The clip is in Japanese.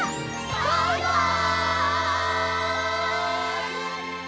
バイバイ！